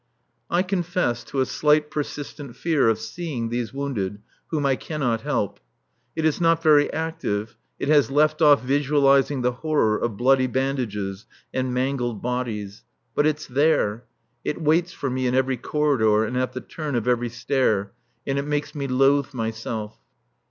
I confess to a slight, persistent fear of seeing these wounded whom I cannot help. It is not very active, it has left off visualizing the horror of bloody bandages and mangled bodies. But it's there; it waits for me in every corridor and at the turn of every stair, and it makes me loathe myself.